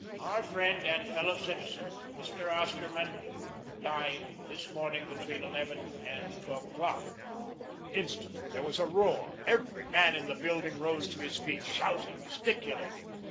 Our friend and fellow citizen, Mr. Osterman, died this morning between eleven and twelve o'clock." Instantly there was a roar. Every man in the building rose to his feet, shouting, gesticulating.